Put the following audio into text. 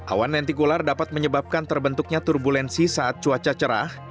awan lentikular dapat menyebabkan terbentuknya turbulensi saat cuaca cerah